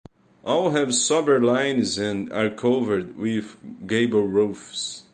All have sober lines and are covered with gable roofs.